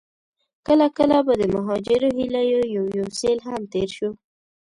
کله کله به د مهاجرو هيليو يو يو سيل هم تېر شو.